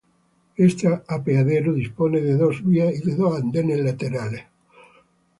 Este apeadero dispone de dos vías y de dos andenes laterales.